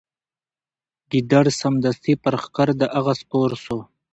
ګیدړ سمدستي پر ښکر د هغه سپور سو